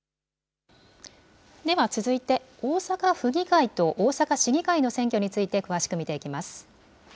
では続いて、大阪府議会と大阪市議会の選挙について、詳しく見ていきます。